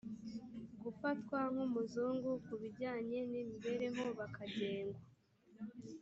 gufatwa nk umuzungu ku bijyanye n imibereho bakagengwa